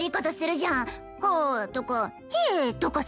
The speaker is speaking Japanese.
「はあ」とか「へえ」とかさ。